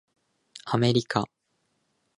アメリカ